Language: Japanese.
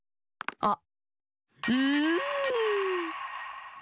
あっ。